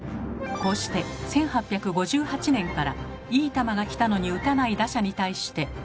こうして１８５８年からいい球が来たのに打たない打者に対して。